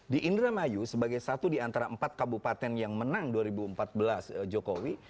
di indramayu sebagai satu di antara empat kabupaten yang menang dua ribu empat belas jokowi